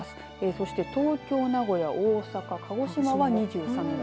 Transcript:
そして東京、名古屋大阪、鹿児島は２３度台。